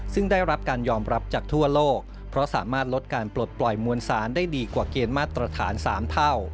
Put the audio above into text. ซึ่งได้รับการยอมรับจากทั่วโลกเพราะสามารถลดการปลดปล่อยมวลสารได้ดีกว่าเกณฑ์มาตรฐาน๓เท่า